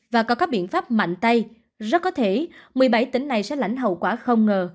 và có các biện pháp mạnh tay rất có thể một mươi bảy tỉnh này sẽ lãnh hậu quả không ngờ